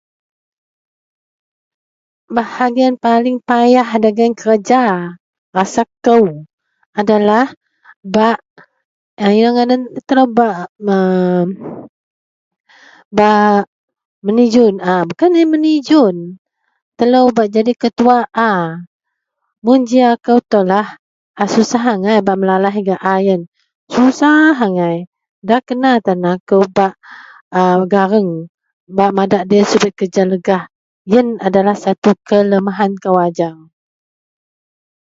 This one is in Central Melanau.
Bahagiyan paling payah dagen kereja rasa kou adalah bak inou ngadan laei telou a bak, bak, bak menijun a bukan yen menijun telou bak jadi ketuwa a. Mun ji akou itoulah a susah angai bak melalaih gak a yen. Susah angai, nda kena tan akou bak a gareng bak madak deloyen subet kereja legah. Yen adalah satu kelemahan kou ajau